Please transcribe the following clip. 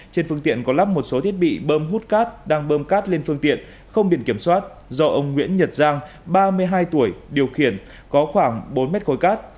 trên phương tiện có lắp một số thiết bị bơm hút cát đang bơm cát lên phương tiện không biển kiểm soát do ông nguyễn nhật giang ba mươi hai tuổi điều khiển có khoảng bốn mét khối cát